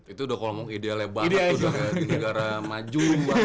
itu udah kalau ngomong idealnya banget udah negara maju banget